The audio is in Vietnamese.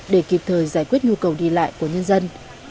để kịp thời giải quyết nhu cầu đi lại của nhân dân